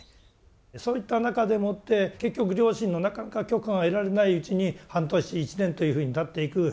そういった中でもって結局両親のなかなか許可が得られないうちに半年１年というふうにたっていく。